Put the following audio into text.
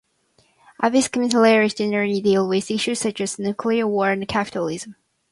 Avskum's lyrics generally deal with issues such as nuclear war and capitalism.